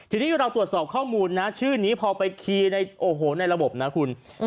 ทีนี้เราตรวจสอบข้อมูลนะชื่อนี้พอไปคีย์ในโอ้โหในระบบนะคุณ